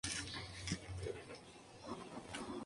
Los partidos de jugaron en Amman, Jordania.